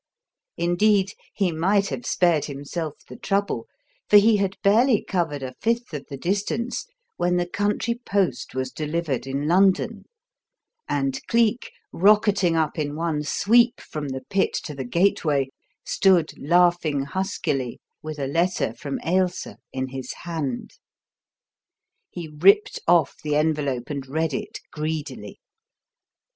Indeed, he might have spared himself the trouble, for he had barely covered a fifth of the distance when the country post was delivered in London, and Cleek, rocketing up in one sweep from the Pit to the Gateway, stood laughing huskily with a letter from Ailsa in his hand. He ripped off the envelope and read it greedily.